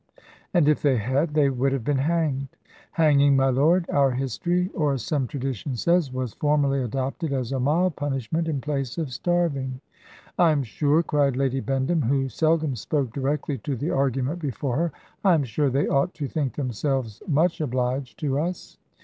"And if they had, they would have been hanged." "Hanging, my lord, our history, or some tradition, says, was formerly adopted as a mild punishment, in place of starving." "I am sure," cried Lady Bendham (who seldom spoke directly to the argument before her), "I am sure they ought to think themselves much obliged to us."